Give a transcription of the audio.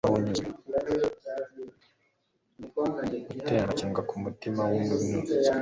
gutera amakenga kumutima we unyuzwe